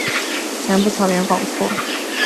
南部草原广阔。